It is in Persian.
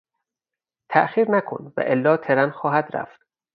تاخیر نکن والا ترن خواهد رفت.